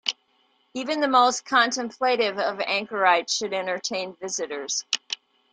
Even the most contemplative of anchorites should entertain visitors.